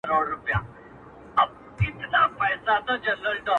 o خپلي سايې ته مي تکيه ده او څه ستا ياد دی،